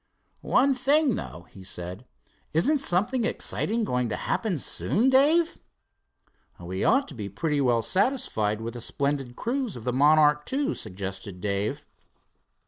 "One thing, though," he said; "isn't something exciting going to happen soon, Dave?" "We ought to be pretty well satisfied with the splendid cruise of the Monarch II," suggested Dave.